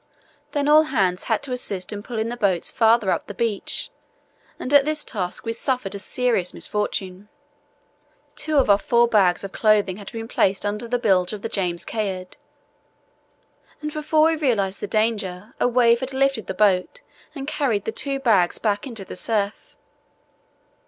Then all hands had to assist in pulling the boats farther up the beach, and at this task we suffered a serious misfortune. Two of our four bags of clothing had been placed under the bilge of the James Caird, and before we realized the danger a wave had lifted the boat and carried the two bags back into the surf.